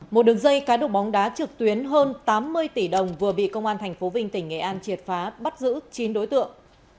một đường dây cá độ bóng đá trực tuyến hơn tám mươi tỷ đồng vừa bị công an tp vinh tỉnh nghệ an triệt phá bắt giữ chín đối tượng